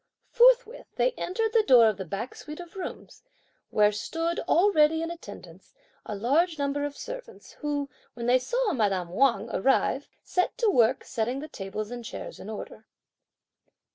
Forthwith they entered the door of the back suite of rooms, where stood, already in attendance, a large number of servants, who, when they saw madame Wang arrive, set to work setting the tables and chairs in order.